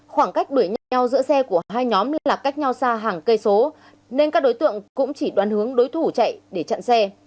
khoảng cách đuổi nhau giữa xe của hai nhóm là cách nhau xa hàng cây số nên các đối tượng cũng chỉ đoàn hướng đối thủ chạy để chặn xe